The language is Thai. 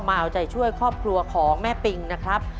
มาเอาใจช่วยครอบครัวของแม่ปิงนะครับ